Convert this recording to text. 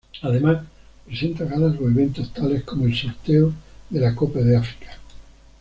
Además, presenta galas o eventos tales como el "Sorteo de la Copa de África.